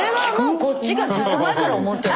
こっちがずっと前から思ってる。